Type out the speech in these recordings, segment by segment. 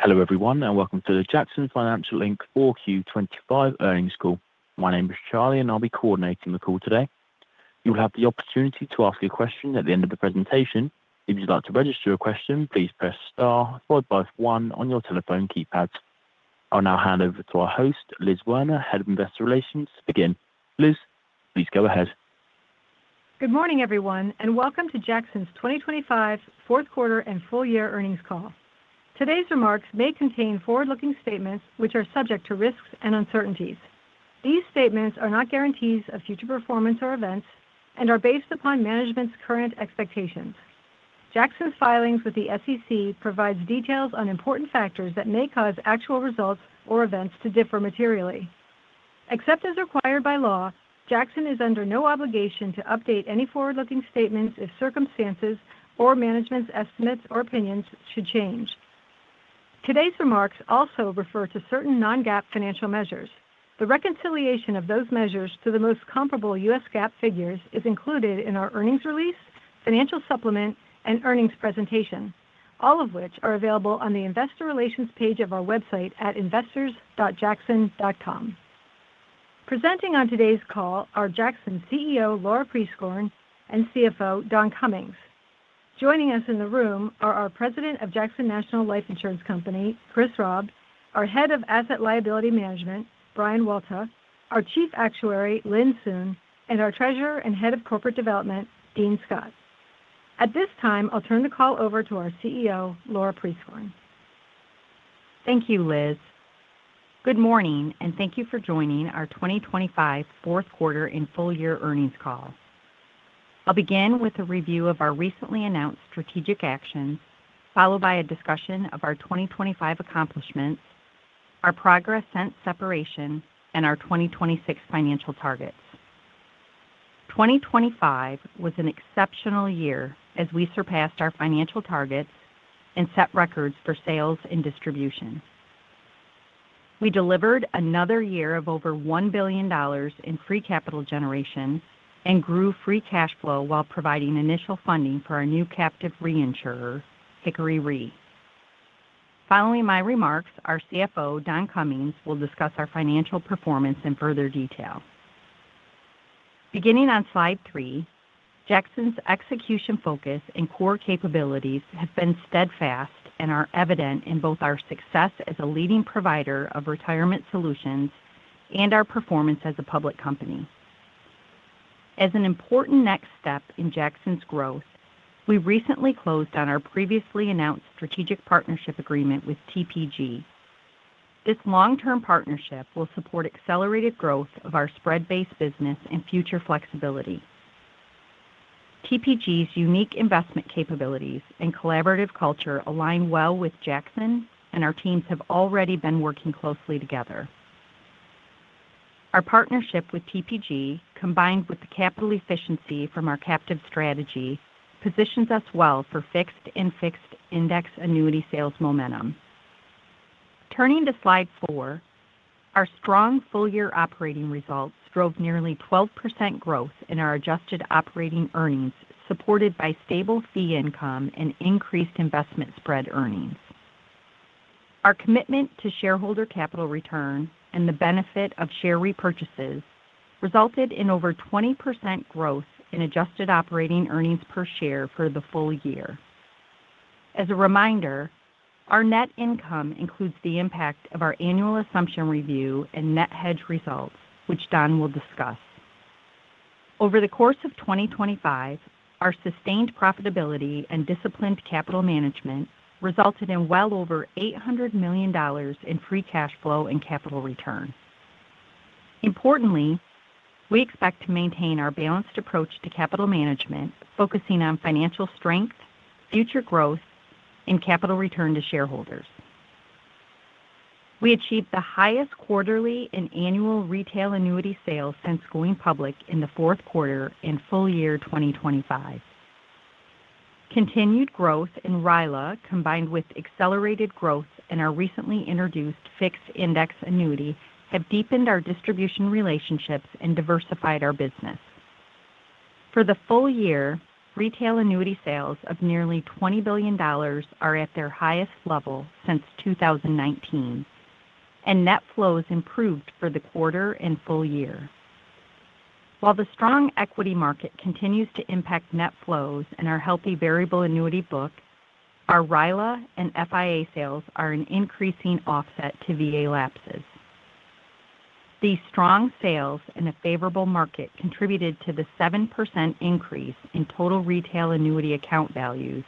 Hello, everyone, and welcome to the Jackson Financial 4Q25 Earnings Call. My name is Charlie, and I'll be coordinating the call today. You will have the opportunity to ask a question at the end of the presentation. If you'd like to register a question, please press star followed by one on your telephone keypad. I'll now hand over to our host, Liz Werner, Head of Investor Relations. Again, Liz, please go ahead. Good morning, everyone, and welcome to Jackson's 2025 fourth quarter and full year earnings call. Today's remarks may contain forward-looking statements which are subject to risks and uncertainties. These statements are not guarantees of future performance or events and are based upon management's current expectations. Jackson's filings with the SEC provide details on important factors that may cause actual results or events to differ materially. Except as required by law, Jackson is under no obligation to update any forward-looking statements if circumstances or management's estimates or opinions should change. Today's remarks also refer to certain non-GAAP financial measures. The reconciliation of those measures to the most comparable U.S. GAAP figures is included in our earnings release, financial supplement, and earnings presentation, all of which are available on the Investor Relations page of our website at investors.jackson.com. Presenting on today's call are Jackson's CEO, Laura Prieskorn, and CFO, Don Cummings. Joining us in the room are our President of Jackson National Life Insurance Company, Chris Raub, our Head of Asset Liability Management, Brian Walta, our Chief Actuary, Lynn Sun, and our Treasurer and Head of Corporate Development, Dean Scott. At this time, I'll turn the call over to our CEO, Laura Prieskorn. Thank you, Liz. Good morning, and thank you for joining our 2025 fourth quarter and full year earnings call. I'll begin with a review of our recently announced strategic actions, followed by a discussion of our 2025 accomplishments, our progress since separation, and our 2026 financial targets. 2025 was an exceptional year as we surpassed our financial targets and set records for sales and distribution. We delivered another year of over $1 billion in free capital generation and grew free cash flow while providing initial funding for our new captive reinsurer, Hickory Re. Following my remarks, our CFO, Don Cummings, will discuss our financial performance in further detail. Beginning on slide 3, Jackson's execution focus and core capabilities have been steadfast and are evident in both our success as a leading provider of retirement solutions and our performance as a public company. As an important next step in Jackson's growth, we recently closed on our previously announced strategic partnership agreement with TPG. This long-term partnership will support accelerated growth of our spread-based business and future flexibility. TPG's unique investment capabilities and collaborative culture align well with Jackson, and our teams have already been working closely together. Our partnership with TPG, combined with the capital efficiency from our captive strategy, positions us well for fixed and fixed index annuity sales momentum. Turning to slide 4, our strong full-year operating results drove nearly 12% growth in our adjusted operating earnings, supported by stable fee income and increased investment spread earnings. Our commitment to shareholder capital return and the benefit of share repurchases resulted in over 20% growth in adjusted operating earnings per share for the full year. As a reminder, our net income includes the impact of our annual assumption review and net hedge results, which Don will discuss. Over the course of 2025, our sustained profitability and disciplined capital management resulted in well over $800 million in free cash flow and capital return. Importantly, we expect to maintain our balanced approach to capital management, focusing on financial strength, future growth, and capital return to shareholders. We achieved the highest quarterly and annual retail annuity sales since going public in the fourth quarter and full year 2025. Continued growth in RILA, combined with accelerated growth in our recently introduced fixed index annuity, have deepened our distribution relationships and diversified our business. For the full year, retail annuity sales of nearly $20 billion are at their highest level since 2019, and net flows improved for the quarter and full year. While the strong equity market continues to impact net flows and our healthy variable annuity book, our RILA and FIA sales are an increasing offset to VA lapses. These strong sales in a favorable market contributed to the 7% increase in total retail annuity account values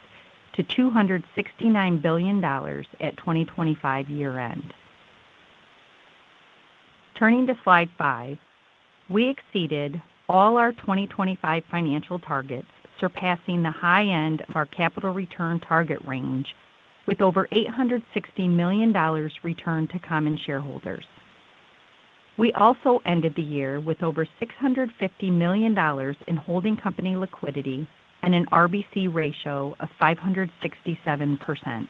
to $269 billion at 2025 year-end. Turning to slide 5, we exceeded all our 2025 financial targets, surpassing the high end of our capital return target range with over $860 million returned to common shareholders. We also ended the year with over $650 million in holding company liquidity and an RBC ratio of 567%.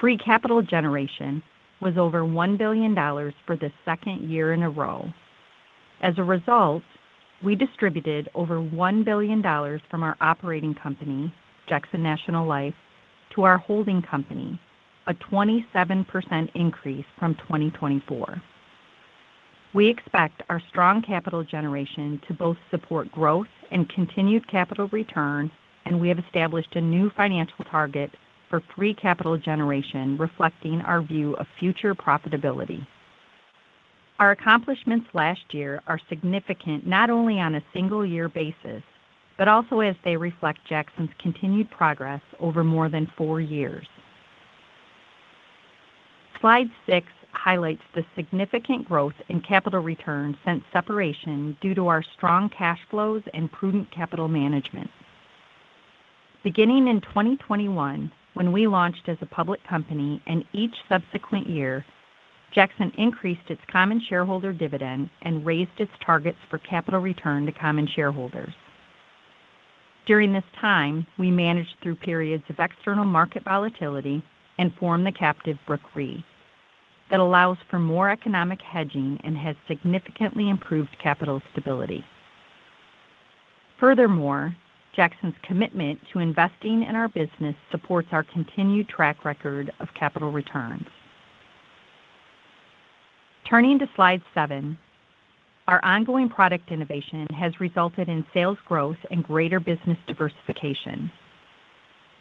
Free capital generation was over $1 billion for the second year in a row. As a result, we distributed over $1 billion from our operating company, Jackson National Life, to our holding company, a 27% increase from 2024. We expect our strong capital generation to both support growth and continued capital return, and we have established a new financial target for free capital generation, reflecting our view of future profitability. Our accomplishments last year are significant, not only on a single year basis, but also as they reflect Jackson's continued progress over more than four years. Slide 6 highlights the significant growth in capital returns since separation due to our strong cash flows and prudent capital management. Beginning in 2021, when we launched as a public company and each subsequent year, Jackson increased its common shareholder dividend and raised its targets for capital return to common shareholders. During this time, we managed through periods of external market volatility and formed the captive Brooke Re that allows for more economic hedging and has significantly improved capital stability. Furthermore, Jackson's commitment to investing in our business supports our continued track record of capital returns. Turning to slide 7, our ongoing product innovation has resulted in sales growth and greater business diversification.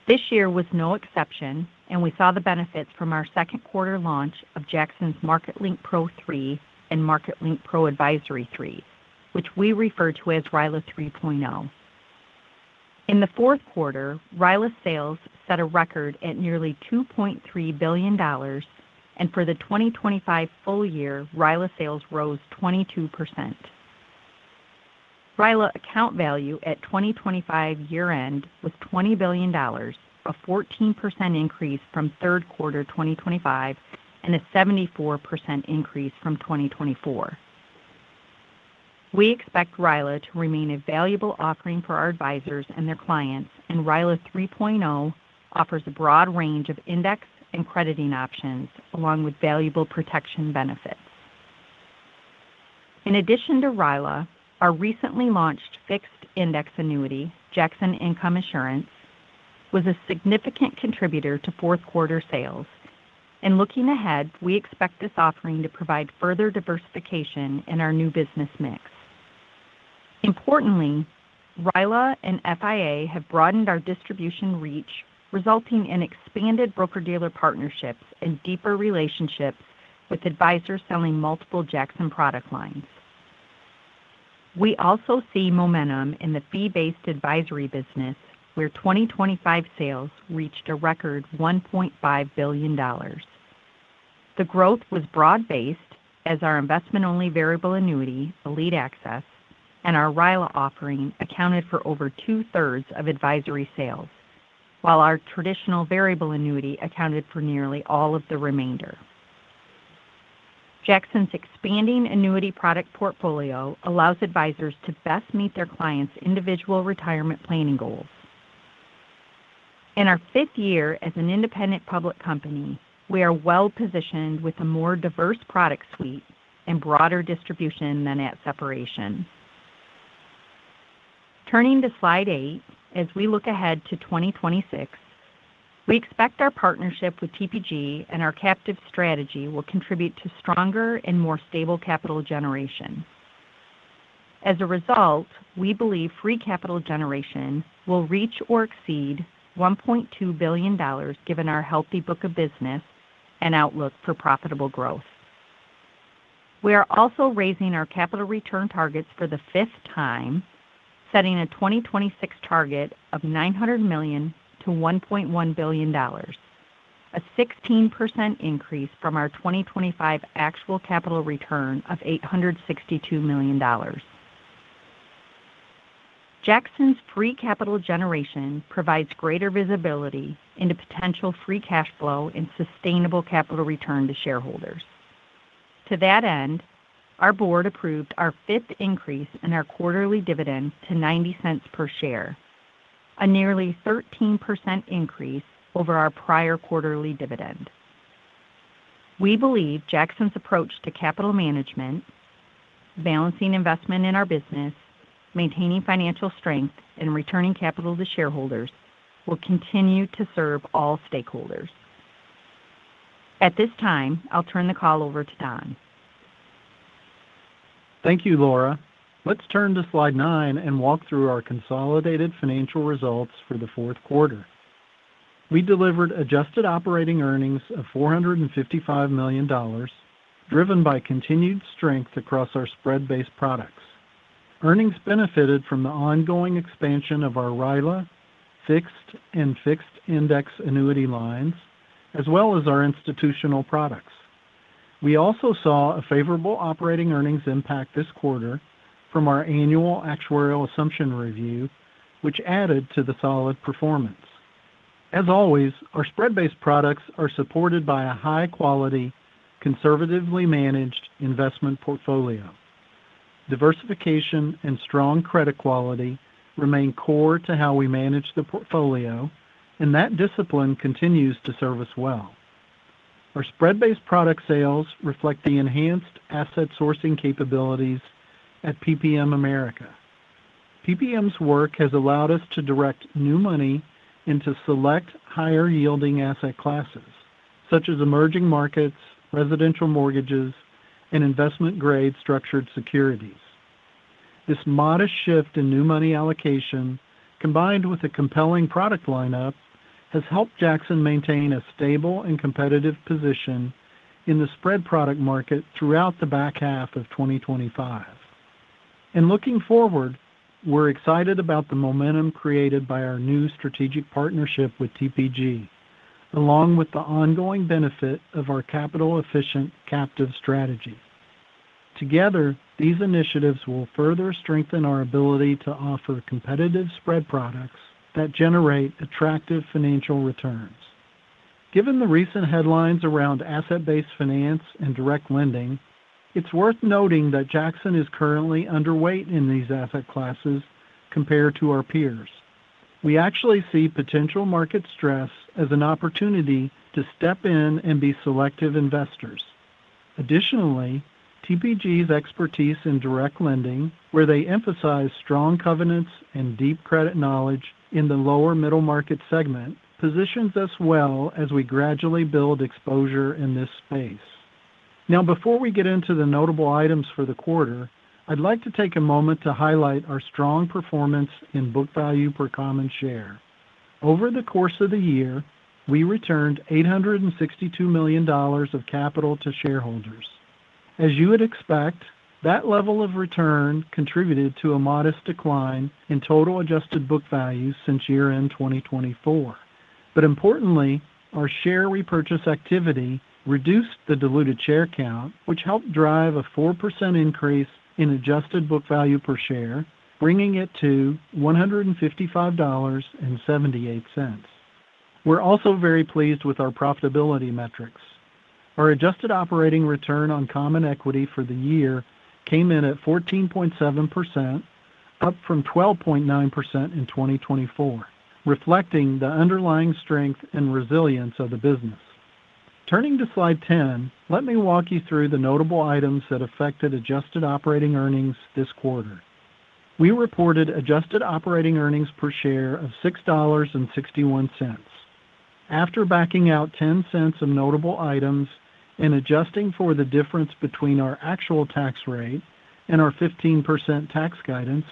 This year was no exception, and we saw the benefits from our second quarter launch of Jackson's MarketLink Pro III and MarketLink Pro Advisory III, which we refer to as RILA 3.0. In the fourth quarter, RILA sales set a record at nearly $2.3 billion, and for the 2025 full year, RILA sales rose 22%. RILA account value at 2025 year end was $20 billion, a 14% increase from third quarter 2025 and a 74% increase from 2024. We expect RILA to remain a valuable offering for our advisors and their clients, and RILA 3.0 offers a broad range of index and crediting options, along with valuable protection benefits. In addition to RILA, our recently launched fixed index annuity, Jackson Income Assurance, was a significant contributor to fourth quarter sales. And looking ahead, we expect this offering to provide further diversification in our new business mix. Importantly, RILA and FIA have broadened our distribution reach, resulting in expanded broker-dealer partnerships and deeper relationships with advisors selling multiple Jackson product lines. We also see momentum in the fee-based advisory business, where 2025 sales reached a record $1.5 billion. The growth was broad-based as our investment-only variable annuity, Elite Access, and our RILA offering accounted for over two-thirds of advisory sales, while our traditional variable annuity accounted for nearly all of the remainder. Jackson's expanding annuity product portfolio allows advisors to best meet their clients' individual retirement planning goals. In our fifth year as an independent public company, we are well-positioned with a more diverse product suite and broader distribution than at separation. Turning to slide 8, as we look ahead to 2026, we expect our partnership with TPG and our captive strategy will contribute to stronger and more stable capital generation. As a result, we believe free capital generation will reach or exceed $1.2 billion, given our healthy book of business and outlook for profitable growth. We are also raising our capital return targets for the fifth time, setting a 2026 target of $900 million-$1.1 billion, a 16% increase from our 2025 actual capital return of $862 million. Jackson's free capital generation provides greater visibility into potential free cash flow and sustainable capital return to shareholders. To that end, our board approved our fifth increase in our quarterly dividend to $0.90 per share, a nearly 13% increase over our prior quarterly dividend. We believe Jackson's approach to capital management, balancing investment in our business, maintaining financial strength, and returning capital to shareholders will continue to serve all stakeholders. At this time, I'll turn the call over to Don. Thank you, Laura. Let's turn to slide nine and walk through our consolidated financial results for the fourth quarter. We delivered adjusted operating earnings of $455 million, driven by continued strength across our spread-based products. Earnings benefited from the ongoing expansion of our RILA, fixed, and fixed index annuity lines, as well as our institutional products. We also saw a favorable operating earnings impact this quarter from our annual actuarial assumption review, which added to the solid performance. As always, our spread-based products are supported by a high-quality, conservatively managed investment portfolio. Diversification and strong credit quality remain core to how we manage the portfolio, and that discipline continues to serve us well.... Our spread-based product sales reflect the enhanced asset sourcing capabilities at PPM America. PPM's work has allowed us to direct new money into select higher-yielding asset classes, such as emerging markets, residential mortgages, and investment-grade structured securities. This modest shift in new money allocation, combined with a compelling product lineup, has helped Jackson maintain a stable and competitive position in the spread product market throughout the back half of 2025. In looking forward, we're excited about the momentum created by our new strategic partnership with TPG, along with the ongoing benefit of our capital-efficient captive strategy. Together, these initiatives will further strengthen our ability to offer competitive spread products that generate attractive financial returns. Given the recent headlines around asset-based finance and direct lending, it's worth noting that Jackson is currently underweight in these asset classes compared to our peers. We actually see potential market stress as an opportunity to step in and be selective investors. Additionally, TPG's expertise in direct lending, where they emphasize strong covenants and deep credit knowledge in the lower middle market segment, positions us well as we gradually build exposure in this space. Now, before we get into the notable items for the quarter, I'd like to take a moment to highlight our strong performance in book value per common share. Over the course of the year, we returned $862 million of capital to shareholders. As you would expect, that level of return contributed to a modest decline in total adjusted book value since year-end 2024. But importantly, our share repurchase activity reduced the diluted share count, which helped drive a 4% increase in adjusted book value per share, bringing it to $155.78. We're also very pleased with our profitability metrics. Our adjusted operating return on common equity for the year came in at 14.7%, up from 12.9% in 2024, reflecting the underlying strength and resilience of the business. Turning to Slide 10, let me walk you through the notable items that affected adjusted operating earnings this quarter. We reported adjusted operating earnings per share of $6.61. After backing out $0.10 of notable items and adjusting for the difference between our actual tax rate and our 15% tax guidance,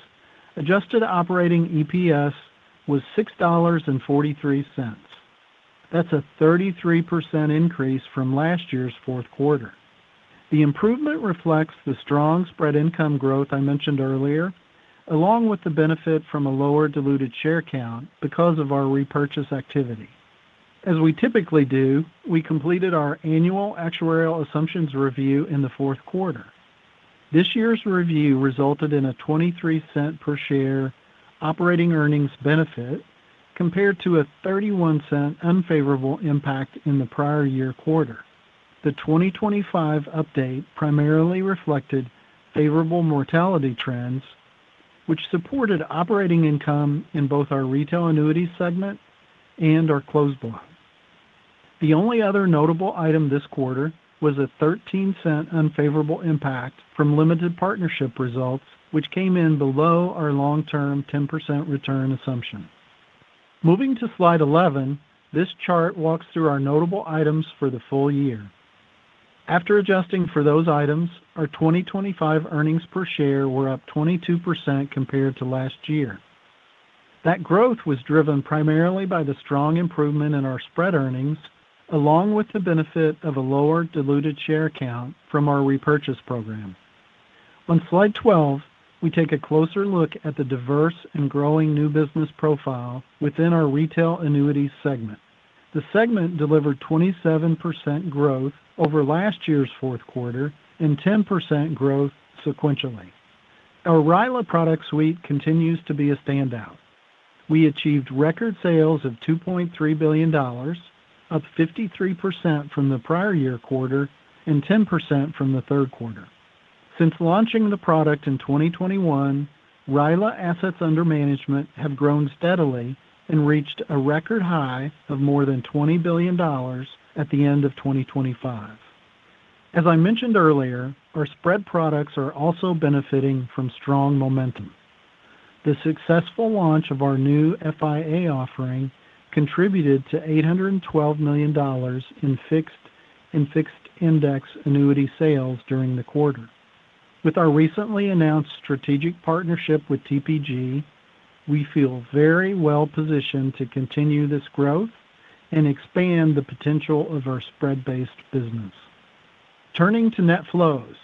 adjusted operating EPS was $6.43. That's a 33% increase from last year's fourth quarter. The improvement reflects the strong spread income growth I mentioned earlier, along with the benefit from a lower diluted share count because of our repurchase activity. As we typically do, we completed our annual actuarial assumptions review in the fourth quarter. This year's review resulted in a $0.23 per share operating earnings benefit compared to a $0.31 unfavorable impact in the prior year quarter. The 2025 update primarily reflected favorable mortality trends, which supported operating income in both our retail annuity segment and our closed block. The only other notable item this quarter was a $0.13 unfavorable impact from limited partnership results, which came in below our long-term 10% return assumption. Moving to Slide 11, this chart walks through our notable items for the full year. After adjusting for those items, our 2025 earnings per share were up 22% compared to last year. That growth was driven primarily by the strong improvement in our spread earnings, along with the benefit of a lower diluted share count from our repurchase program. On Slide 12, we take a closer look at the diverse and growing new business profile within our retail annuity segment. The segment delivered 27% growth over last year's fourth quarter and 10% growth sequentially. Our RILA product suite continues to be a standout. We achieved record sales of $2.3 billion, up 53% from the prior year quarter and 10% from the third quarter. Since launching the product in 2021, RILA assets under management have grown steadily and reached a record high of more than $20 billion at the end of 2025. As I mentioned earlier, our spread products are also benefiting from strong momentum. The successful launch of our new FIA offering contributed to $812 million in fixed and fixed index annuity sales during the quarter. With our recently announced strategic partnership with TPG, we feel very well positioned to continue this growth and expand the potential of our spread-based business. Turning to net flows,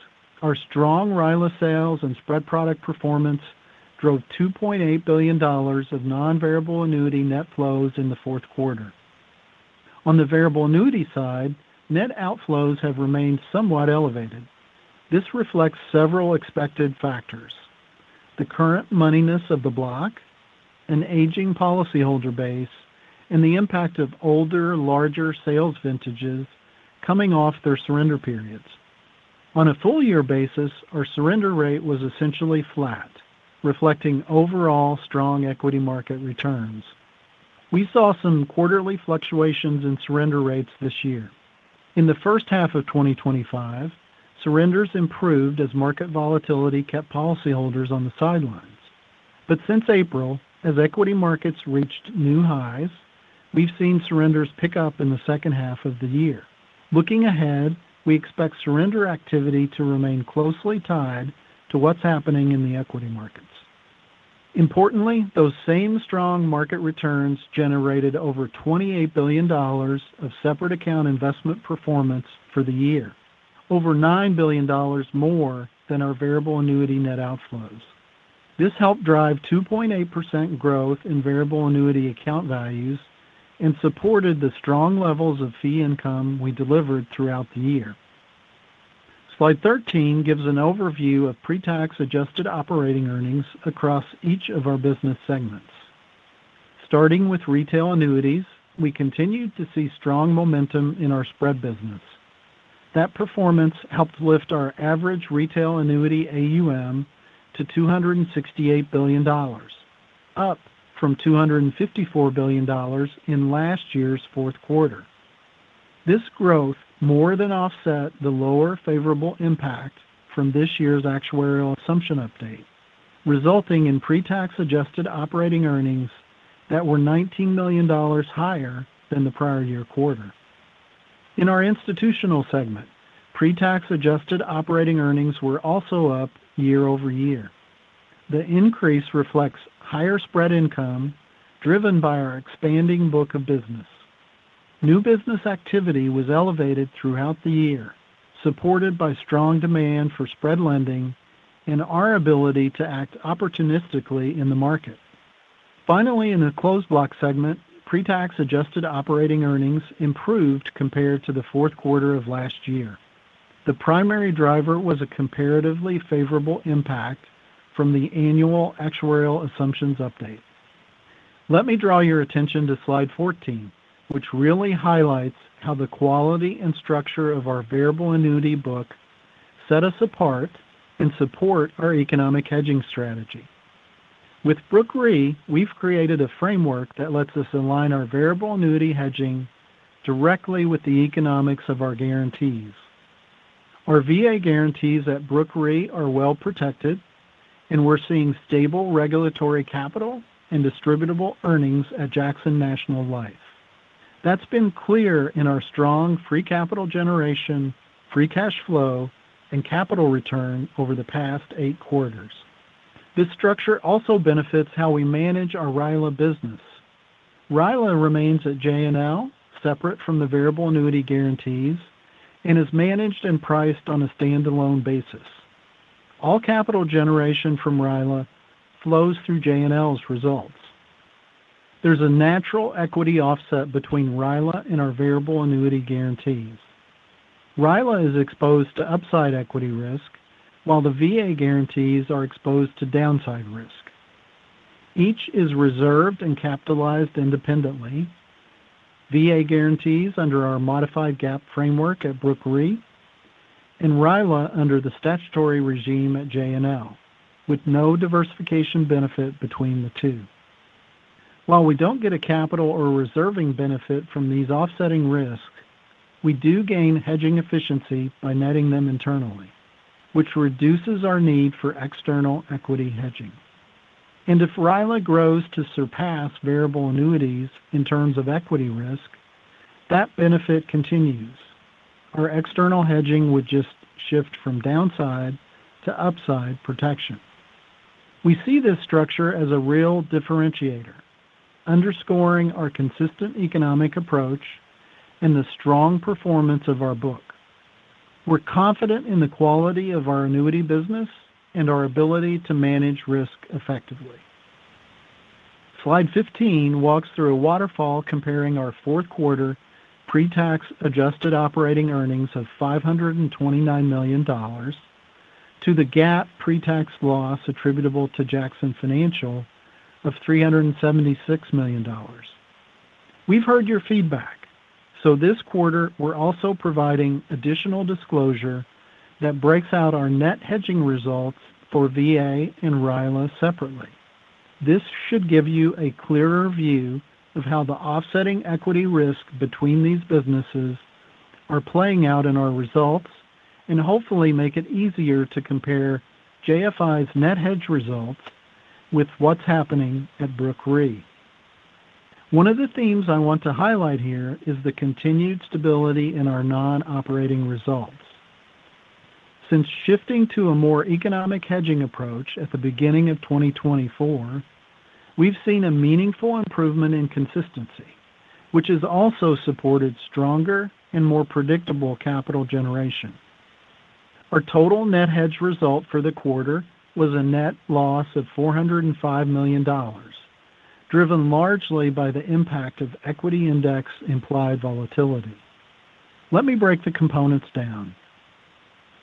our strong RILA sales and spread product performance drove $2.8 billion of non-variable annuity net flows in the fourth quarter. On the variable annuity side, net outflows have remained somewhat elevated. This reflects several expected factors: the current moneyness of the block, an aging policyholder base, and the impact of older, larger sales vintages coming off their surrender periods. On a full year basis, our surrender rate was essentially flat, reflecting overall strong equity market returns. We saw some quarterly fluctuations in surrender rates this year. In the first half of 2025, surrenders improved as market volatility kept policyholders on the sidelines. But since April, as equity markets reached new highs, we've seen surrenders pick up in the second half of the year. Looking ahead, we expect surrender activity to remain closely tied to what's happening in the equity markets. Importantly, those same strong market returns generated over $28 billion of separate account investment performance for the year, over $9 billion more than our variable annuity net outflows. This helped drive 2.8% growth in variable annuity account values and supported the strong levels of fee income we delivered throughout the year. Slide 13 gives an overview of pre-tax adjusted operating earnings across each of our business segments. Starting with retail annuities, we continued to see strong momentum in our spread business. That performance helped lift our average retail annuity AUM to $268 billion, up from $254 billion in last year's fourth quarter. This growth more than offset the lower favorable impact from this year's actuarial assumption update, resulting in pre-tax adjusted operating earnings that were $19 million higher than the prior year quarter. In our institutional segment, pre-tax adjusted operating earnings were also up year over year. The increase reflects higher spread income driven by our expanding book of business. New business activity was elevated throughout the year, supported by strong demand for spread lending and our ability to act opportunistically in the market. Finally, in the closed block segment, pre-tax adjusted operating earnings improved compared to the fourth quarter of last year. The primary driver was a comparatively favorable impact from the annual actuarial assumptions update. Let me draw your attention to slide 14, which really highlights how the quality and structure of our variable annuity book set us apart and support our economic hedging strategy. With Brooke Re, we've created a framework that lets us align our variable annuity hedging directly with the economics of our guarantees. Our VA guarantees at Brooke Re are well protected, and we're seeing stable regulatory capital and distributable earnings at Jackson National Life. That's been clear in our strong free capital generation, free cash flow, and capital return over the past 8 quarters. This structure also benefits how we manage our RILA business. RILA remains at JNL, separate from the variable annuity guarantees, and is managed and priced on a standalone basis. All capital generation from RILA flows through JNL's results. There's a natural equity offset between RILA and our variable annuity guarantees. RILA is exposed to upside equity risk, while the VA guarantees are exposed to downside risk. Each is reserved and capitalized independently. VA guarantees under our modified GAAP framework at Brooke Re and RILA under the statutory regime at JNL, with no diversification benefit between the two. While we don't get a capital or reserving benefit from these offsetting risks, we do gain hedging efficiency by netting them internally, which reduces our need for external equity hedging. If RILA grows to surpass variable annuities in terms of equity risk, that benefit continues. Our external hedging would just shift from downside to upside protection. We see this structure as a real differentiator, underscoring our consistent economic approach and the strong performance of our book. We're confident in the quality of our annuity business and our ability to manage risk effectively. Slide 15 walks through a waterfall comparing our fourth quarter pre-tax adjusted operating earnings of $529 million to the GAAP pre-tax loss attributable to Jackson Financial of $376 million. We've heard your feedback, so this quarter, we're also providing additional disclosure that breaks out our net hedging results for VA and RILA separately. This should give you a clearer view of how the offsetting equity risk between these businesses are playing out in our results, and hopefully make it easier to compare JFI's net hedge results with what's happening at Brooke Re. One of the themes I want to highlight here is the continued stability in our non-operating results. Since shifting to a more economic hedging approach at the beginning of 2024, we've seen a meaningful improvement in consistency, which has also supported stronger and more predictable capital generation. Our total net hedge result for the quarter was a net loss of $405 million, driven largely by the impact of equity index implied volatility. Let me break the components down.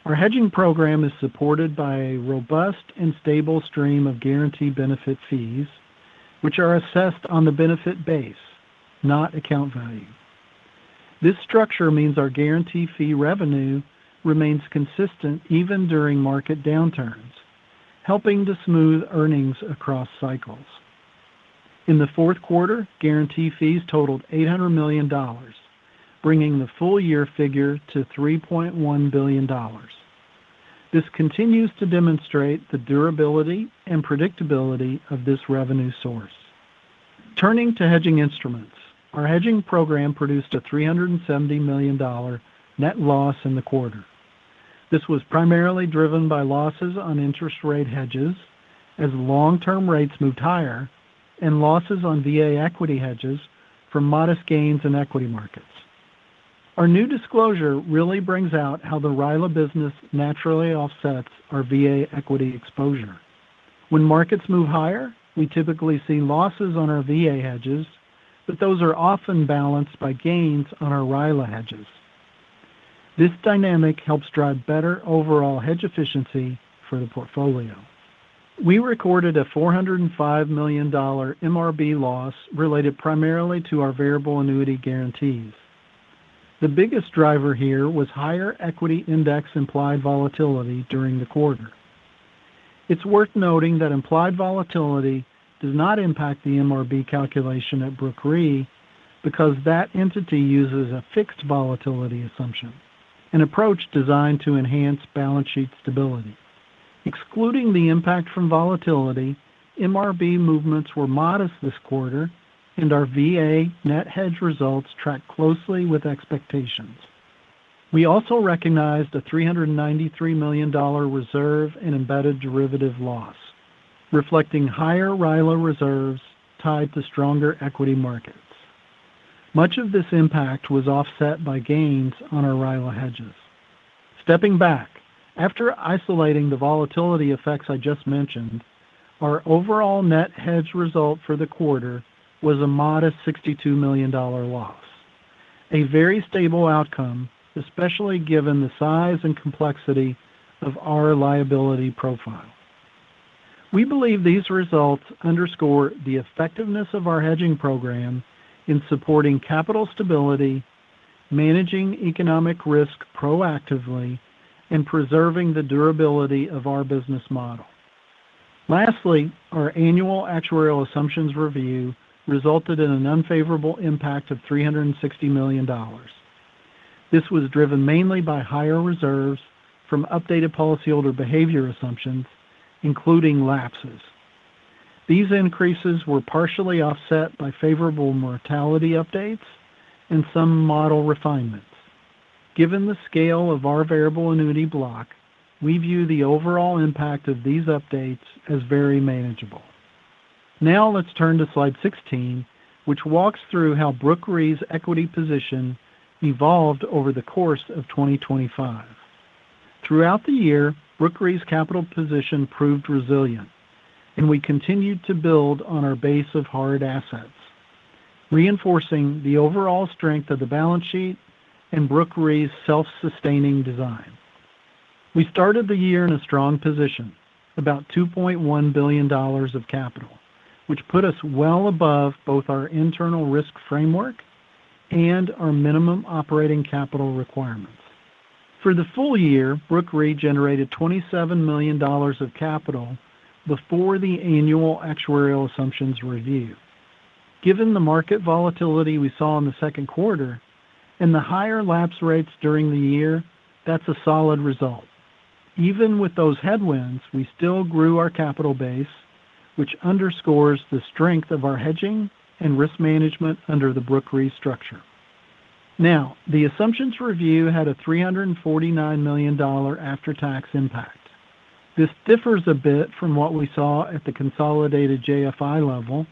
Our hedging program is supported by a robust and stable stream of guaranteed benefit fees, which are assessed on the benefit base, not account value. This structure means our guarantee fee revenue remains consistent even during market downturns, helping to smooth earnings across cycles. In the fourth quarter, guarantee fees totaled $800 million, bringing the full year figure to $3.1 billion. This continues to demonstrate the durability and predictability of this revenue source. Turning to hedging instruments, our hedging program produced a $370 million net loss in the quarter. This was primarily driven by losses on interest rate hedges as long-term rates moved higher and losses on VA equity hedges from modest gains in equity markets. Our new disclosure really brings out how the RILA business naturally offsets our VA equity exposure. When markets move higher, we typically see losses on our VA hedges, but those are often balanced by gains on our RILA hedges. This dynamic helps drive better overall hedge efficiency for the portfolio. We recorded a $405 million MRB loss related primarily to our variable annuity guarantees. The biggest driver here was higher equity index implied volatility during the quarter. It's worth noting that implied volatility does not impact the MRB calculation at Brooke Re because that entity uses a fixed volatility assumption, an approach designed to enhance balance sheet stability. Excluding the impact from volatility, MRB movements were modest this quarter, and our VA net hedge results tracked closely with expectations. We also recognized a $393 million reserve and embedded derivative loss, reflecting higher RILA reserves tied to stronger equity markets. Much of this impact was offset by gains on our RILA hedges. Stepping back, after isolating the volatility effects I just mentioned, our overall net hedge result for the quarter was a modest $62 million loss, a very stable outcome, especially given the size and complexity of our liability profile. We believe these results underscore the effectiveness of our hedging program in supporting capital stability, managing economic risk proactively, and preserving the durability of our business model. Lastly, our annual actuarial assumptions review resulted in an unfavorable impact of $360 million. This was driven mainly by higher reserves from updated policyholder behavior assumptions, including lapses. These increases were partially offset by favorable mortality updates and some model refinements. Given the scale of our variable annuity block, we view the overall impact of these updates as very manageable. Now let's turn to slide 16, which walks through how Brooke Re's equity position evolved over the course of 2025. Throughout the year, Brooke Re's capital position proved resilient, and we continued to build on our base of hard assets, reinforcing the overall strength of the balance sheet and Brooke Re's self-sustaining design. We started the year in a strong position, about $2.1 billion of capital, which put us well above both our internal risk framework and our minimum operating capital requirements. For the full year, Brooke Re generated $27 million of capital before the annual actuarial assumptions review. Given the market volatility we saw in the second quarter and the higher lapse rates during the year, that's a solid result. Even with those headwinds, we still grew our capital base, which underscores the strength of our hedging and risk management under the Brooke Re structure. Now, the assumptions review had a $349 million after-tax impact. This differs a bit from what we saw at the consolidated JFI level,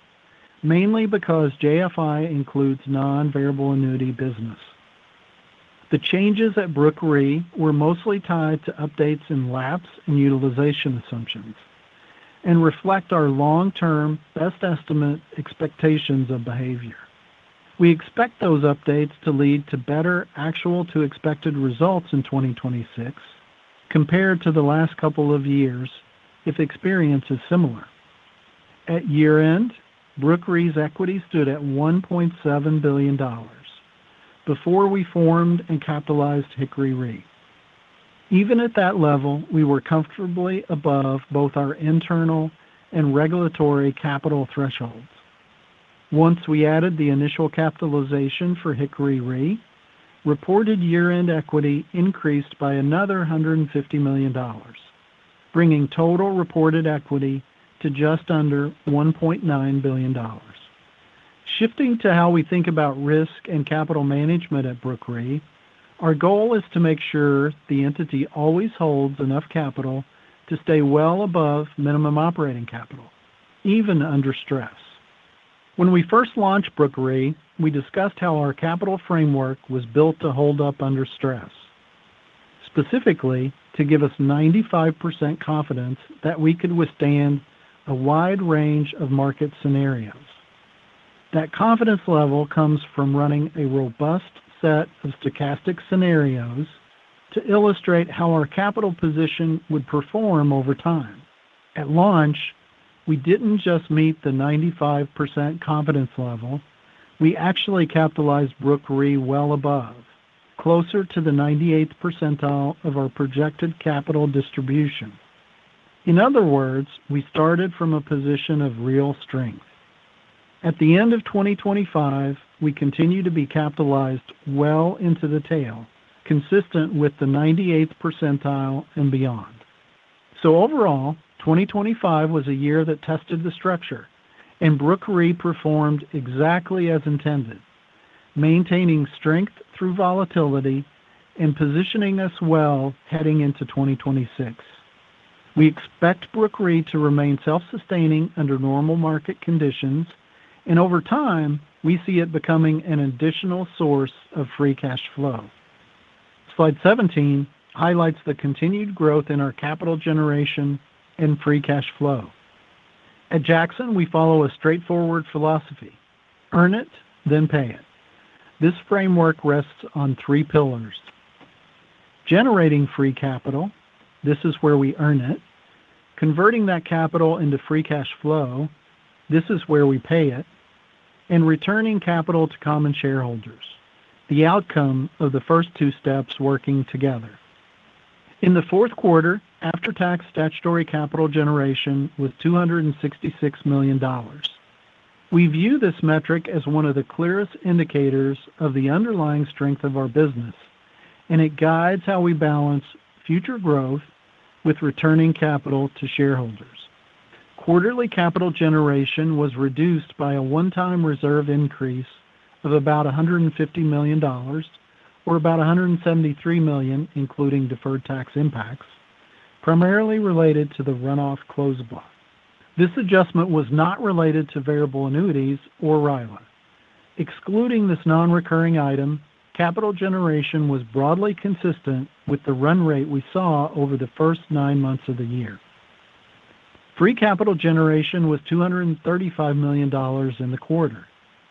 mainly because JFI includes non-variable annuity business. The changes at Brooke Re were mostly tied to updates in lapse and utilization assumptions and reflect our long-term, best estimate expectations of behavior. We expect those updates to lead to better actual-to-expected results in 2026 compared to the last couple of years if experience is similar. At year-end, Brooke Re's equity stood at $1.7 billion before we formed and capitalized Hickory Re. Even at that level, we were comfortably above both our internal and regulatory capital thresholds. Once we added the initial capitalization for Hickory Re, reported year-end equity increased by another $150 million, bringing total reported equity to just under $1.9 billion. Shifting to how we think about risk and capital management at Brooke Re, our goal is to make sure the entity always holds enough capital to stay well above minimum operating capital, even under stress. When we first launched Brooke Re, we discussed how our capital framework was built to hold up under stress, specifically to give us 95% confidence that we could withstand a wide range of market scenarios. That confidence level comes from running a robust set of stochastic scenarios to illustrate how our capital position would perform over time. At launch, we didn't just meet the 95% confidence level, we actually capitalized Brooke Re well above, closer to the 98th percentile of our projected capital distribution. In other words, we started from a position of real strength. At the end of 2025, we continue to be capitalized well into the tail, consistent with the 98th percentile and beyond. So overall, 2025 was a year that tested the structure, and Brooke Re performed exactly as intended, maintaining strength through volatility and positioning us well heading into 2026. We expect Brooke Re to remain self-sustaining under normal market conditions, and over time, we see it becoming an additional source of free cash flow. Slide 17 highlights the continued growth in our capital generation and free cash flow. At Jackson, we follow a straightforward philosophy: earn it, then pay it. This framework rests on three pillars: generating free capital, this is where we earn it, converting that capital into free cash flow, this is where we pay it, and returning capital to common shareholders, the outcome of the first two steps working together. In the fourth quarter, after-tax statutory capital generation was $266 million. We view this metric as one of the clearest indicators of the underlying strength of our business, and it guides how we balance future growth with returning capital to shareholders. Quarterly capital generation was reduced by a one-time reserve increase of about $150 million, or about $173 million, including deferred tax impacts, primarily related to the runoff closed block. This adjustment was not related to variable annuities or RILA. Excluding this non-recurring item, capital generation was broadly consistent with the run rate we saw over the first nine months of the year. Free capital generation was $235 million in the quarter,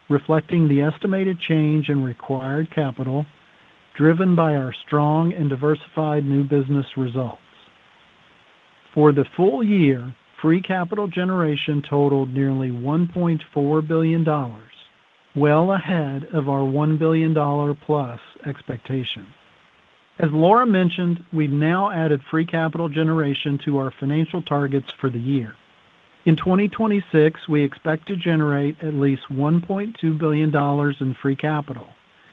reflecting the estimated change in required capital, driven by our strong and diversified new business results. For the full year, free capital generation totaled nearly $1.4 billion, well ahead of our $1 billion plus expectation. As Laura mentioned, we've now added free capital generation to our financial targets for the year. In 2026, we expect to generate at least $1.2 billion in free capital,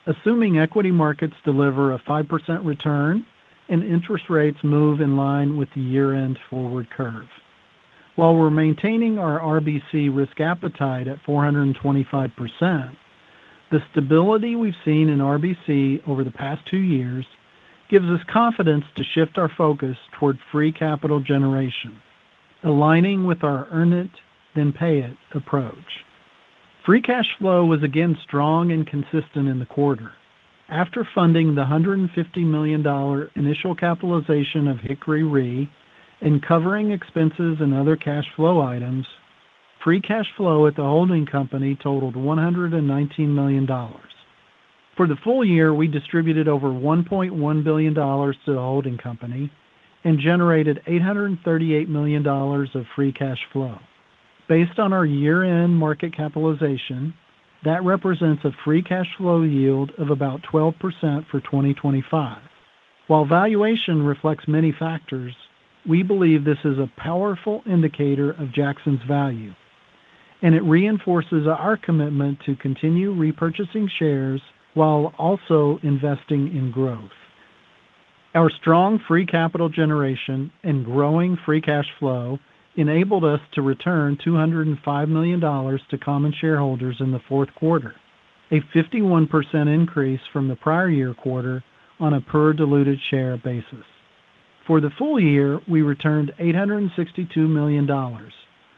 assuming equity markets deliver a 5% return and interest rates move in line with the year-end forward curve. While we're maintaining our RBC risk appetite at 425%, the stability we've seen in RBC over the past two years gives us confidence to shift our focus toward free capital generation, aligning with our earn it, then pay it approach. Free cash flow was again strong and consistent in the quarter. After funding the $150 million initial capitalization of Hickory Re and covering expenses and other cash flow items, free cash flow at the holding company totaled $119 million. For the full year, we distributed over $1.1 billion to the holding company and generated $838 million of free cash flow. Based on our year-end market capitalization, that represents a free cash flow yield of about 12% for 2025. While valuation reflects many factors, we believe this is a powerful indicator of Jackson's value, and it reinforces our commitment to continue repurchasing shares while also investing in growth. Our strong free capital generation and growing free cash flow enabled us to return $205 million to common shareholders in the fourth quarter, a 51% increase from the prior year quarter on a per diluted share basis. For the full year, we returned $862 million,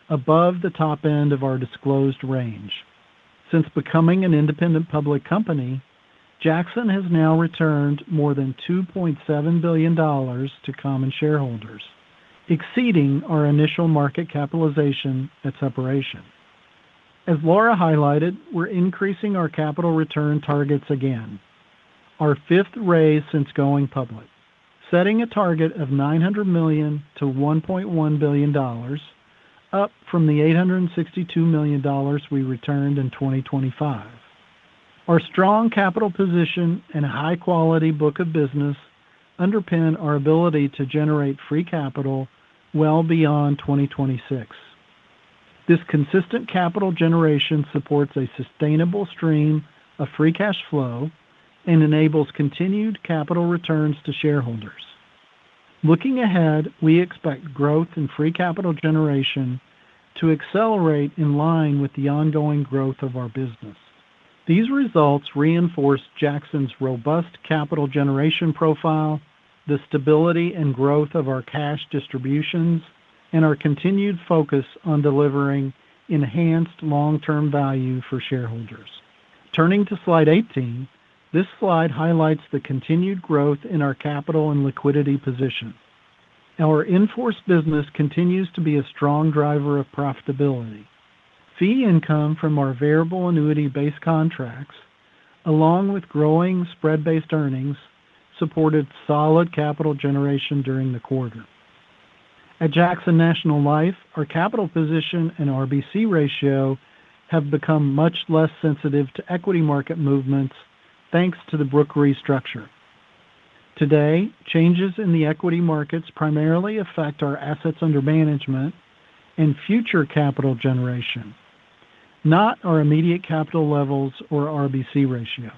above the top end of our disclosed range. Since becoming an independent public company, Jackson has now returned more than $2.7 billion to common shareholders, exceeding our initial market capitalization at separation. As Laura highlighted, we're increasing our capital return targets again, our fifth raise since going public, setting a target of $900 million-$1.1 billion, up from the $862 million we returned in 2025. Our strong capital position and a high-quality book of business underpin our ability to generate free capital well beyond 2026. This consistent capital generation supports a sustainable stream of free cash flow and enables continued capital returns to shareholders. Looking ahead, we expect growth in free capital generation to accelerate in line with the ongoing growth of our business. These results reinforce Jackson's robust capital generation profile, the stability and growth of our cash distributions, and our continued focus on delivering enhanced long-term value for shareholders. Turning to slide 18, this slide highlights the continued growth in our capital and liquidity position.... Our in-force business continues to be a strong driver of profitability. Fee income from our variable annuity-based contracts, along with growing spread-based earnings, supported solid capital generation during the quarter. At Jackson National Life, our capital position and RBC ratio have become much less sensitive to equity market movements, thanks to Brooke Re restructure. Today, changes in the equity markets primarily affect our assets under management and future capital generation, not our immediate capital levels or RBC ratio.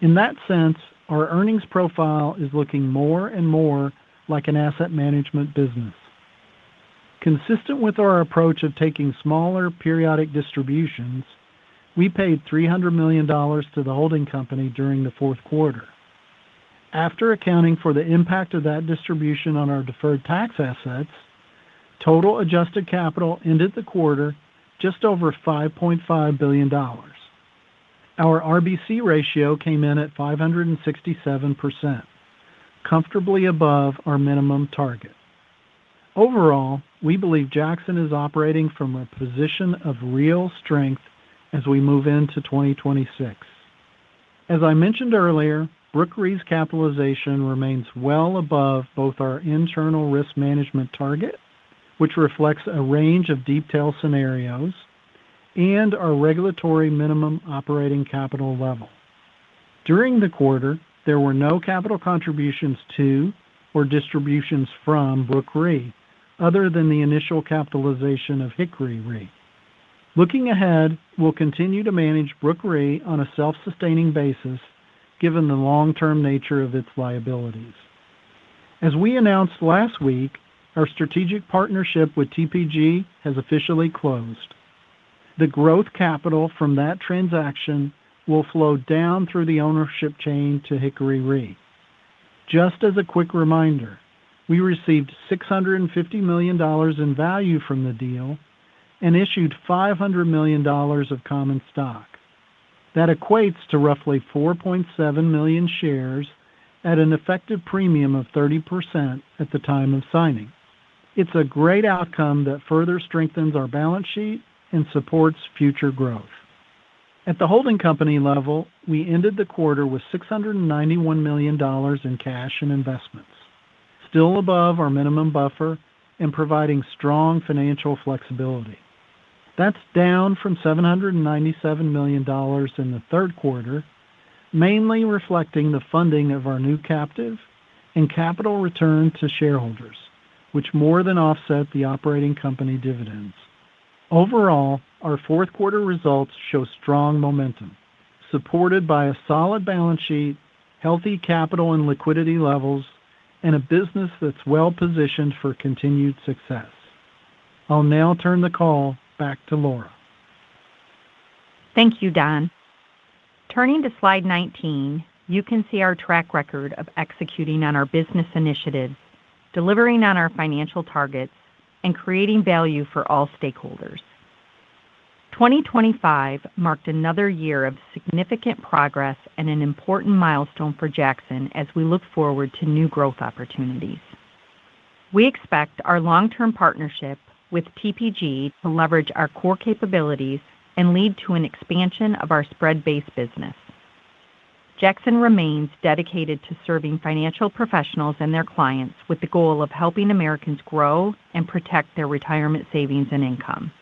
In that sense, our earnings profile is looking more and more like an asset management business. Consistent with our approach of taking smaller periodic distributions, we paid $300 million to the holding company during the fourth quarter. After accounting for the impact of that distribution on our deferred tax assets, total adjusted capital ended the quarter just over $5.5 billion. Our RBC ratio came in at 567%, comfortably above our minimum target. Overall, we believe Jackson is operating from a position of real strength as we move into 2026. As I mentioned earlier, Brooke Re's capitalization remains well above both our internal risk management target, which reflects a range of detailed scenarios, and our regulatory minimum operating capital level. During the quarter, there were no capital contributions to or distributions from Brooke Re, other than the initial capitalization of Hickory Re. Looking ahead, we'll continue to manage Brooke Re on a self-sustaining basis, given the long-term nature of its liabilities. As we announced last week, our strategic partnership with TPG has officially closed. The growth capital from that transaction will flow down through the ownership chain to Hickory Re. Just as a quick reminder, we received $650 million in value from the deal and issued $500 million of common stock. That equates to roughly 4.7 million shares at an effective premium of 30% at the time of signing. It's a great outcome that further strengthens our balance sheet and supports future growth. At the holding company level, we ended the quarter with $691 million in cash and investments, still above our minimum buffer and providing strong financial flexibility. That's down from $797 million in the third quarter, mainly reflecting the funding of our new captive and capital return to shareholders, which more than offset the operating company dividends. Overall, our fourth quarter results show strong momentum, supported by a solid balance sheet, healthy capital and liquidity levels, and a business that's well-positioned for continued success. I'll now turn the call back to Laura. Thank you, Don. Turning to Slide 19, you can see our track record of executing on our business initiatives, delivering on our financial targets, and creating value for all stakeholders. 2025 marked another year of significant progress and an important milestone for Jackson as we look forward to new growth opportunities. We expect our long-term partnership with TPG to leverage our core capabilities and lead to an expansion of our spread-based business. Jackson remains dedicated to serving financial professionals and their clients with the goal of helping Americans grow and protect their retirement savings and income.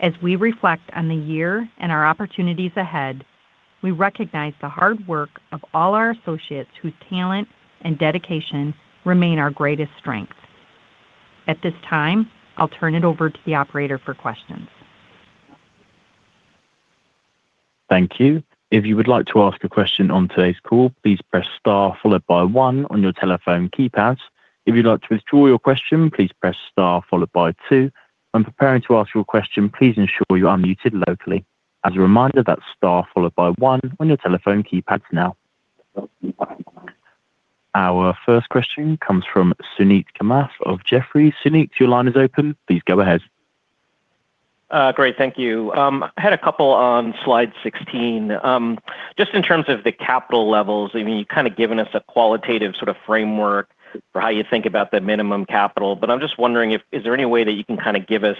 As we reflect on the year and our opportunities ahead, we recognize the hard work of all our associates whose talent and dedication remain our greatest strength. At this time, I'll turn it over to the operator for questions. Thank you. If you would like to ask a question on today's call, please press Star, followed by one on your telephone keypad. If you'd like to withdraw your question, please press Star, followed by two. When preparing to ask your question, please ensure you are unmuted locally. As a reminder, that's Star, followed by one on your telephone keypad now. Our first question comes from Suneet Kamath of Jefferies. Suneet, your line is open. Please go ahead. Great, thank you. I had a couple on slide 16. Just in terms of the capital levels, I mean, you've kind a given us a qualitative sort of framework for how you think about the minimum capital, but I'm just wondering if... is there any way that you can kind a give us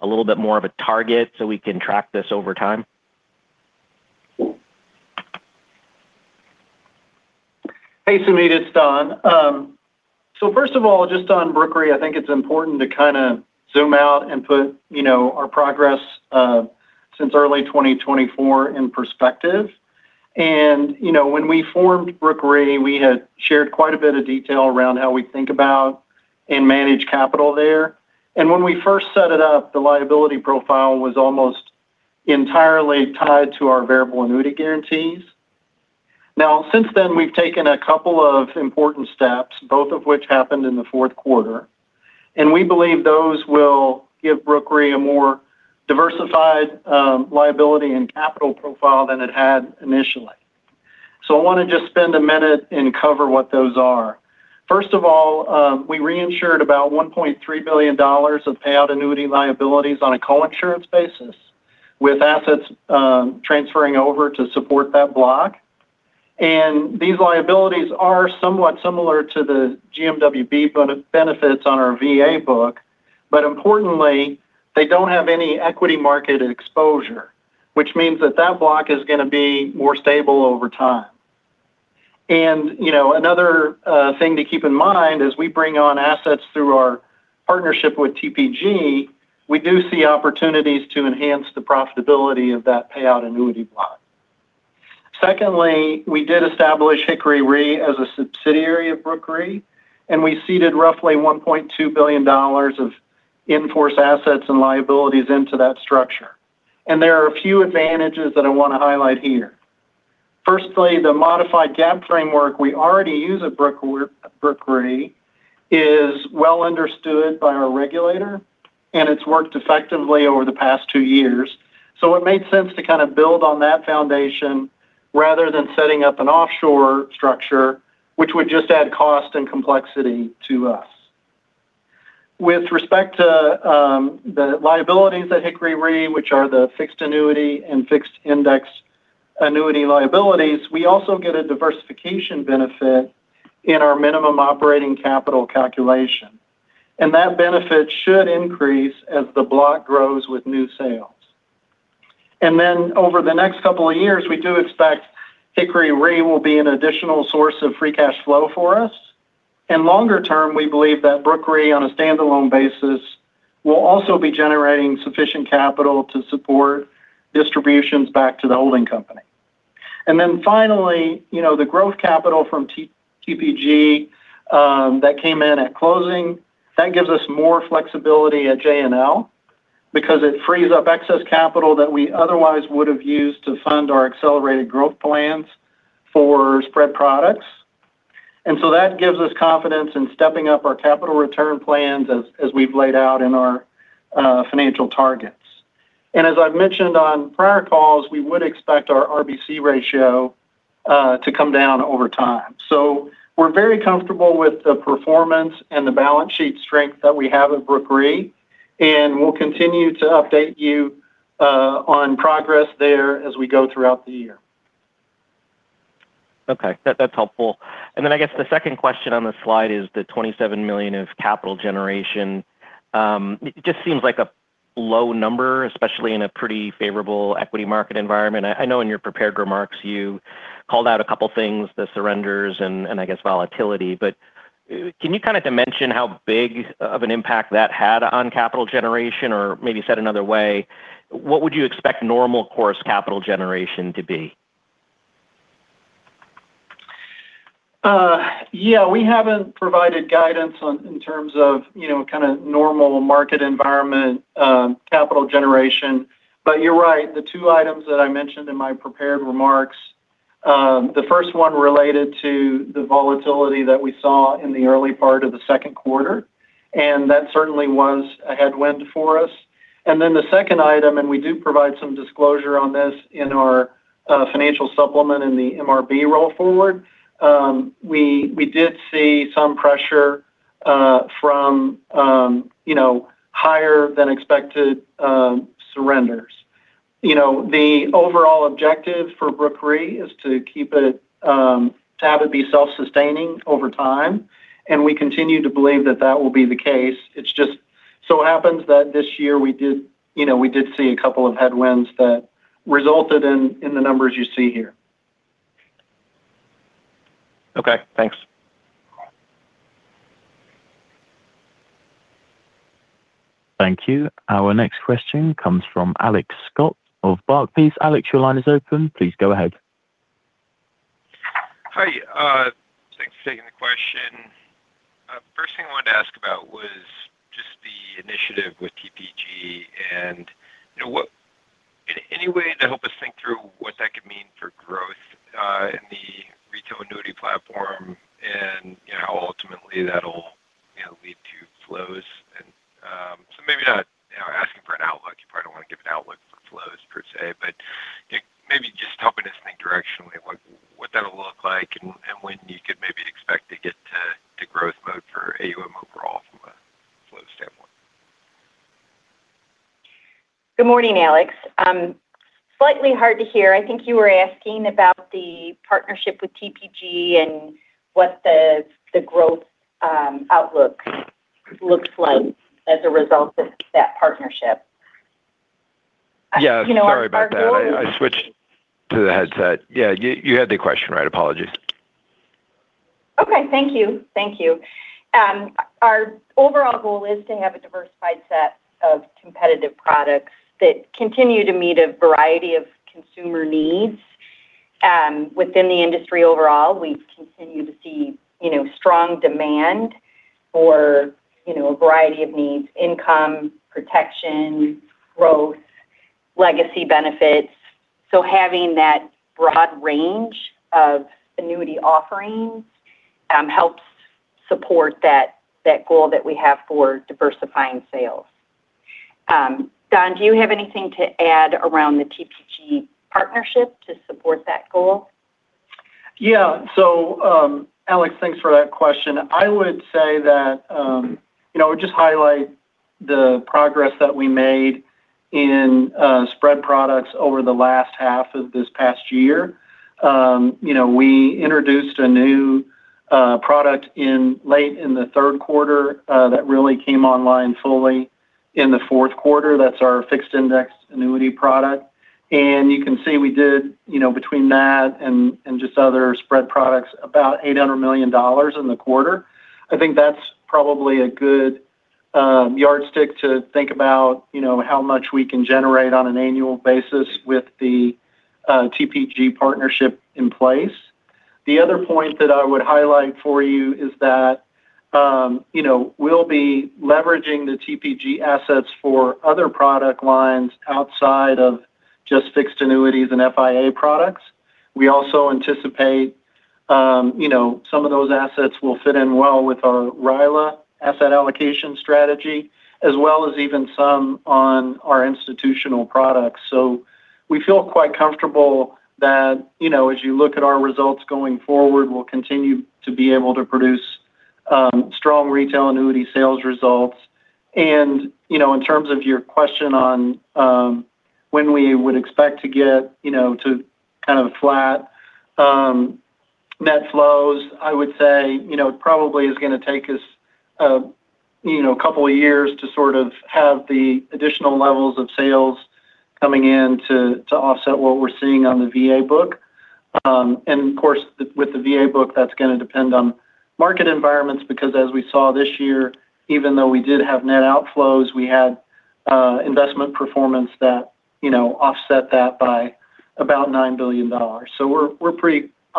a little bit more of a target so we can track this over time? Hey, Suneet, it's Don. So first of all, just on Brooke Re, I think it's important to kinda zoom out and put, you know, our progress since early 2024 in perspective. And, you know, when we formed Brooke Re, we had shared quite a bit of detail around how we think about and manage capital there. And when we first set it up, the liability profile was almost entirely tied to our variable annuity guarantees. Now, since then, we've taken a couple of important steps, both of which happened in the fourth quarter, and we believe those will give Brooke Re a more diversified liability and capital profile than it had initially. So I wanna just spend a minute and cover what those are. First of all, we reinsured about $1.3 billion of payout annuity liabilities on a coinsurance basis.... with assets transferring over to support that block. And these liabilities are somewhat similar to the GMWB benefits on our VA book, but importantly, they don't have any equity market exposure, which means that that block is going to be more stable over time. And, you know, another thing to keep in mind as we bring on assets through our partnership with TPG, we do see opportunities to enhance the profitability of that payout annuity block. Secondly, we did establish Hickory Re as a subsidiary of Brooke Re, and we ceded roughly $1.2 billion of in-force assets and liabilities into that structure. And there are a few advantages that I want to highlight here. Firstly, the modified GAAP framework we already use at Brooke Re. Brooke Re is well understood by our regulator, and it's worked effectively over the past two years. So it made sense to kind of build on that foundation rather than setting up an offshore structure, which would just add cost and complexity to us. With respect to, the liabilities at Hickory Re, which are the fixed annuity and fixed index annuity liabilities, we also get a diversification benefit in our minimum operating capital calculation, and that benefit should increase as the block grows with new sales. And then, over the next couple of years, we do expect Hickory Re will be an additional source of free cash flow for us. And longer term, we believe that Brooke Re, on a standalone basis, will also be generating sufficient capital to support distributions back to the holding company. And then finally, you know, the growth capital from TPG that came in at closing, that gives us more flexibility at JNL because it frees up excess capital that we otherwise would have used to fund our accelerated growth plans for spread products. And so that gives us confidence in stepping up our capital return plans as we've laid out in our financial targets. And as I've mentioned on prior calls, we would expect our RBC ratio to come down over time. So we're very comfortable with the performance and the balance sheet strength that we have at Brooke Re, and we'll continue to update you on progress there as we go throughout the year. Okay, that's helpful. And then I guess the second question on this slide is the $27 million of capital generation. It just seems like a low number, especially in a pretty favorable equity market environment. I know in your prepared remarks, you called out a couple things, the surrenders and I guess volatility, but can you kind of dimension how big of an impact that had on capital generation? Or maybe said another way, what would you expect normal course capital generation to be? Yeah, we haven't provided guidance on, in terms of, you know, kind of normal market environment, capital generation. But you're right, the two items that I mentioned in my prepared remarks, the first one related to the volatility that we saw in the early part of the second quarter, and that certainly was a headwind for us. And then the second item, and we do provide some disclosure on this in our, financial supplement in the MRB roll forward, we did see some pressure, from, you know, higher than expected, surrenders. You know, the overall objective for Brooke Re is to keep it, to have it be self-sustaining over time, and we continue to believe that that will be the case. It's just so happens that this year we did, you know, we did see a couple of headwinds that resulted in, in the numbers you see here. Okay, thanks. Thank you. Our next question comes from Alex Scott of Barclays. Alex, your line is open. Please go ahead. Hi, thanks for taking the question. First thing I wanted to ask about was just the initiative with TPG, and you know, what... In any way to help us think through what that could mean for growth, in the retail annuity platform and, you know, ultimately that'll lead to flows. So maybe not, you know, asking for an outlook, you probably don't want to give an outlook for flows per se, but maybe just helping us think directionally, like what that'll look like and, and when you could maybe expect to get to, to growth mode for AUM overall from a flow standpoint. Good morning, Alex. Slightly hard to hear. I think you were asking about the partnership with TPG and what the growth outlook looks like as a result of that partnership. Yeah, sorry about that. You know, our goal- I switched to the headset. Yeah, you had the question right. Apologies. Okay. Thank you. Thank you. Our overall goal is to have a diversified set of competitive products that continue to meet a variety of consumer needs. Within the industry overall, we've continued to see, you know, strong demand for, you know, a variety of needs: income, protection, growth, legacy benefits. So having that broad range of annuity offerings helps support that, that goal that we have for diversifying sales. Don, do you have anything to add around the TPG partnership to support that goal?... Yeah. So, Alex, thanks for that question. I would say that, you know, just highlight the progress that we made in spread products over the last half of this past year. You know, we introduced a new product in late in the third quarter that really came online fully in the fourth quarter. That's our fixed index annuity product. And you can see we did, you know, between that and, and just other spread products, about $800 million in the quarter. I think that's probably a good yardstick to think about, you know, how much we can generate on an annual basis with the TPG partnership in place. The other point that I would highlight for you is that, you know, we'll be leveraging the TPG assets for other product lines outside of just fixed annuities and FIA products. We also anticipate, you know, some of those assets will fit in well with our RILA asset allocation strategy, as well as even some on our institutional products. So we feel quite comfortable that, you know, as you look at our results going forward, we'll continue to be able to produce, strong retail annuity sales results. You know, in terms of your question on when we would expect to get, you know, to kind of flat net flows, I would say, you know, it probably is going to take us, you know, a couple of years to sort of have the additional levels of sales coming in to offset what we're seeing on the VA book. Of course, with the VA book, that's going to depend on market environments, because as we saw this year, even though we did have net outflows, we had investment performance that, you know, offset that by about $9 billion.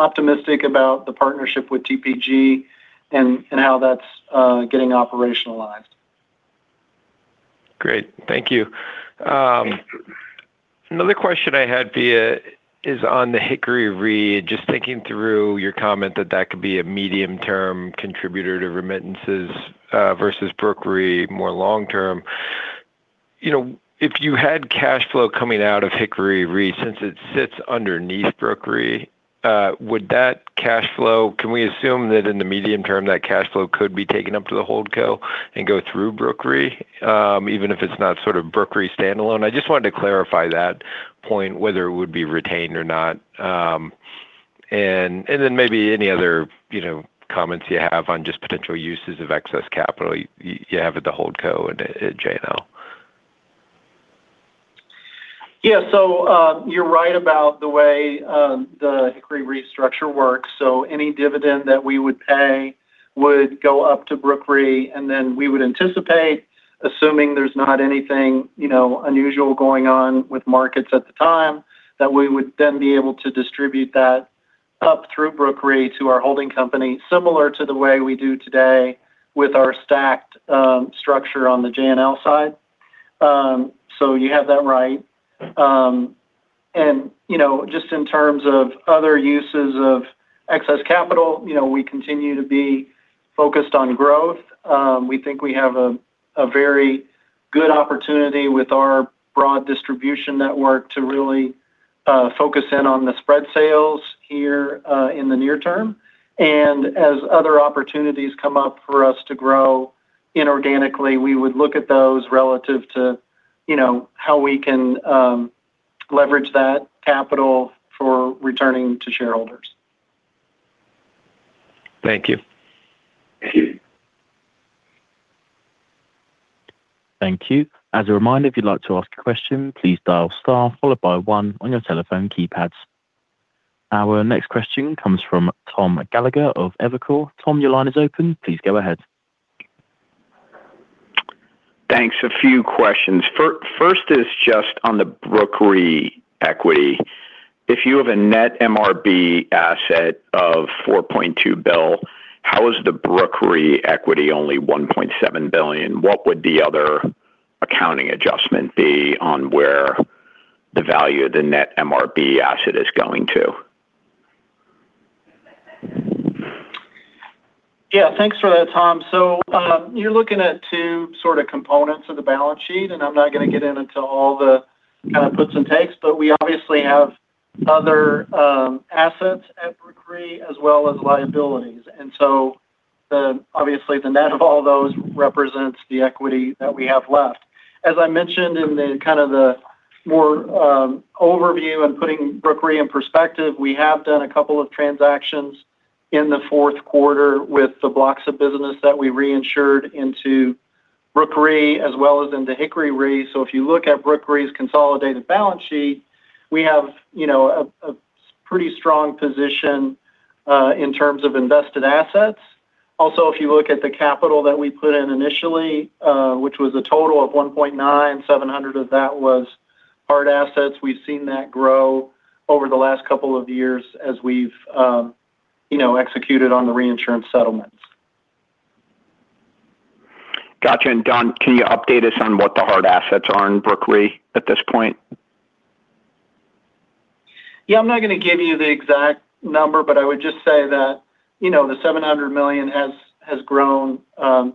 So we're pretty optimistic about the partnership with TPG and how that's getting operationalized. Great. Thank you. Another question I had via is on the Hickory Re. Just thinking through your comment that that could be a medium-term contributor to remittances, versus Brooke Re, more long term. You know, if you had cash flow coming out of Hickory Re, since it sits underneath Brooke Re, would that cash flow—can we assume that in the medium term, that cash flow could be taken up to the hold co and go through Brooke Re, even if it's not sort of Brooke Re standalone? I just wanted to clarify that point, whether it would be retained or not. And then maybe any other, you know, comments you have on just potential uses of excess capital you have at the hold co at JNL. Yeah. So, you're right about the way, the Hickory Re structure works. So any dividend that we would pay would go up to Brooke Re, and then we would anticipate, assuming there's not anything, you know, unusual going on with markets at the time, that we would then be able to distribute that up through Brooke Re to our holding company, similar to the way we do today with our stacked, structure on the JNL side. So you have that right. And, you know, just in terms of other uses of excess capital, you know, we continue to be focused on growth. We think we have a very good opportunity with our broad distribution network to really, focus in on the spread sales here, in the near term. As other opportunities come up for us to grow inorganically, we would look at those relative to, you know, how we can leverage that capital for returning to shareholders. Thank you. Thank you. Thank you. As a reminder, if you'd like to ask a question, please dial star followed by one on your telephone keypads. Our next question comes from Tom Gallagher of Evercore. Tom, your line is open. Please go ahead. Thanks. A few questions. First is just on the Brooke Re equity. If you have a net MRB asset of $4.2 billion, how is the Brooke Re equity only $1.7 billion? What would the other accounting adjustment be on where the value of the net MRB asset is going to? Yeah, thanks for that, Tom. So, you're looking at two sort of components of the balance sheet, and I'm not going to get into all the kind of puts and takes, but we obviously have other assets at Brooke Re as well as liabilities. And so the obviously, the net of all those represents the equity that we have left. As I mentioned in the kind of the more overview and putting Brooke Re in perspective, we have done a couple of transactions in the fourth quarter with the blocks of business that we reinsured into Brooke Re, as well as in the Hickory Re. So if you look at Brooke Re's consolidated balance sheet, we have, you know, a pretty strong position in terms of invested assets. Also, if you look at the capital that we put in initially, which was a total of $1.9 billion, $700 million of that was hard assets, we've seen that grow over the last couple of years as we've, you know, executed on the reinsurance settlements. Got you. And Don, can you update us on what the hard assets are in Brooke Re at this point? Yeah, I'm not going to give you the exact number, but I would just say that, you know, the $700 million has grown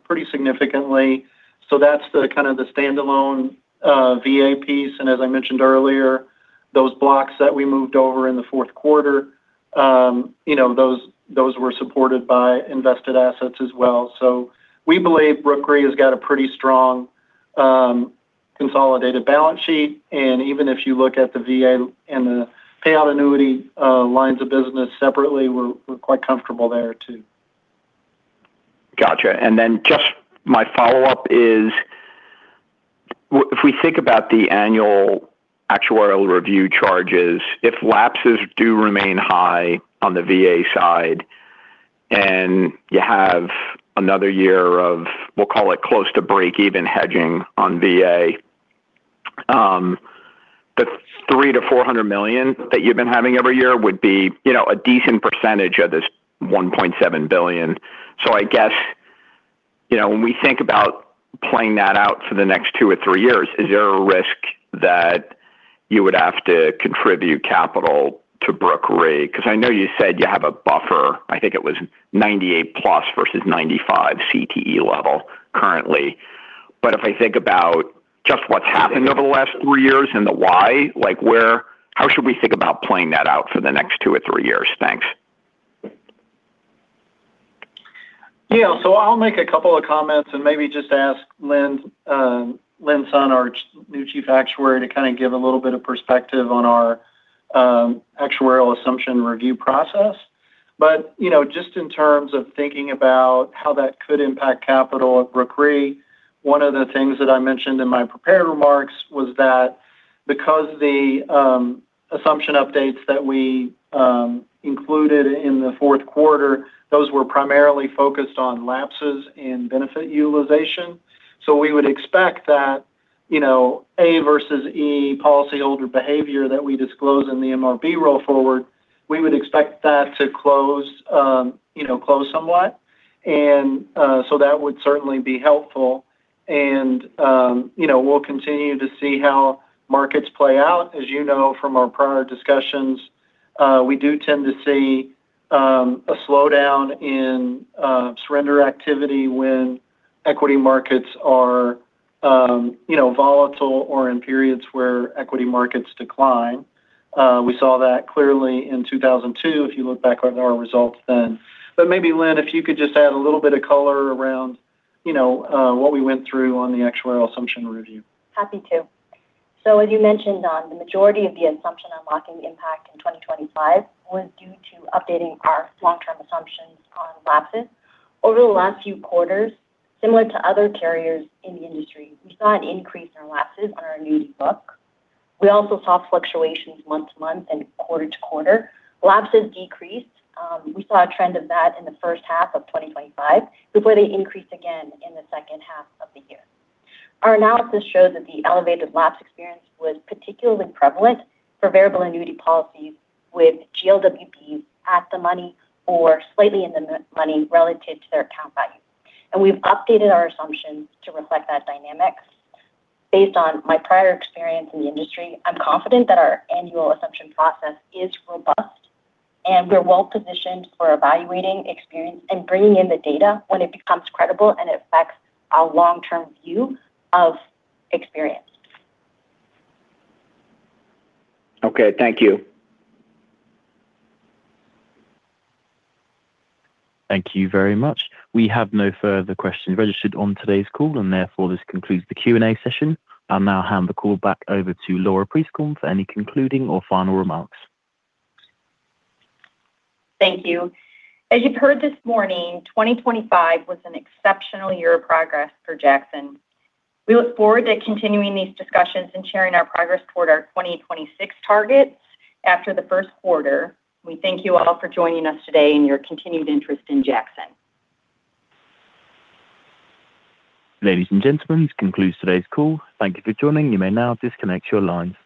pretty significantly. So that's kind of the standalone VA piece. And as I mentioned earlier, those blocks that we moved over in the fourth quarter, you know, those were supported by invested assets as well. So we believe Brooke Re has got a pretty strong consolidated balance sheet, and even if you look at the VA and the payout annuity lines of business separately, we're quite comfortable there too. Gotcha. And then just my follow-up is, if we think about the annual actuarial review charges, if lapses do remain high on the VA side, and you have another year of, we'll call it, close to breakeven hedging on VA, the $300 million-$400 million that you've been having every year would be, you know, a decent percentage of this $1.7 billion. So I guess, you know, when we think about playing that out for the next 2 or 3 years, is there a risk that you would have to contribute capital to Brooke Re? Because I know you said you have a buffer. I think it was 98+ versus 95 CTE level currently. If I think about just what's happened over the last three years and the why, like, where, how should we think about playing that out for the next two or three years? Thanks. Yeah. So I'll make a couple of comments and maybe just ask Linn Sun, our new chief actuary, to kind of give a little bit of perspective on our actuarial assumption review process. But, you know, just in terms of thinking about how that could impact capital at Brooke Re, one of the things that I mentioned in my prepared remarks was that because the assumption updates that we included in the fourth quarter, those were primarily focused on lapses in benefit utilization. So we would expect that, you know, A versus E policyholder behavior that we disclose in the MRB roll forward, we would expect that to close, you know, close somewhat. And, so that would certainly be helpful. And, you know, we'll continue to see how markets play out. As you know, from our prior discussions, we do tend to see a slowdown in surrender activity when equity markets are, you know, volatile or in periods where equity markets decline. We saw that clearly in 2002, if you look back on our results then. But maybe, Linn, if you could just add a little bit of color around, you know, what we went through on the actuarial assumption review. Happy to. So as you mentioned, Don, the majority of the assumption unlocking impact in 2025 was due to updating our long-term assumptions on lapses. Over the last few quarters, similar to other carriers in the industry, we saw an increase in lapses on our new book. We also saw fluctuations month to month and quarter to quarter. Lapses decreased, we saw a trend of that in the first half of 2025, before they increased again in the second half of the year. Our analysis showed that the elevated lapse experience was particularly prevalent for variable annuity policies with GLWBs at the money or slightly in the money relative to their account value, and we've updated our assumptions to reflect that dynamics. Based on my prior experience in the industry, I'm confident that our annual assumption process is robust, and we're well positioned for evaluating experience and bringing in the data when it becomes credible and it affects our long-term view of experience. Okay, thank you. Thank you very much. We have no further questions registered on today's call, and therefore, this concludes the Q&A session. I'll now hand the call back over to Laura Prieskorn for any concluding or final remarks. Thank you. As you've heard this morning, 2025 was an exceptional year of progress for Jackson. We look forward to continuing these discussions and sharing our progress toward our 2026 targets after the first quarter. We thank you all for joining us today and your continued interest in Jackson. Ladies and gentlemen, this concludes today's call. Thank you for joining. You may now disconnect your lines.